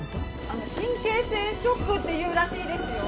あの神経性ショックっていうらしいですよ。